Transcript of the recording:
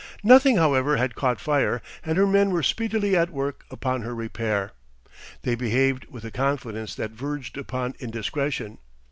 Nothing, however, had caught fire, and her men were speedily at work upon her repair. They behaved with a confidence that verged upon indiscretion.